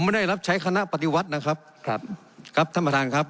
ไม่ได้รับใช้คณะปฏิวัตินะครับครับครับท่านประธานครับ